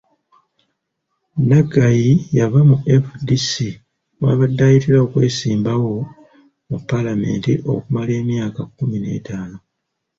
Naggayi yava mu FDC, mw'abadde ayitira okwesimbawo mu Paalamenti okumala emyaka kkumi n'etaano.